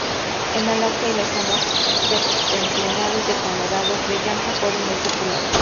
En Alaska y las zonas septentrionales de Canadá, los Bellanca fueron muy populares.